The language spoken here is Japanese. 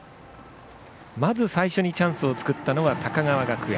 まず最初にチャンスを作ったのは高川学園。